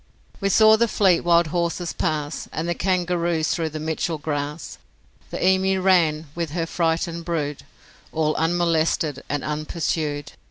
We saw the fleet wild horses pass, And the kangaroos through the Mitchell grass, The emu ran with her frightened brood All unmolested and unpursued.